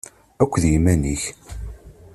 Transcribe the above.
Aki-d d yiman-ik!